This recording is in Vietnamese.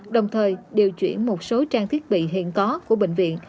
đồng thời điều chuyển một số trang thiết bị hiện có của bệnh viện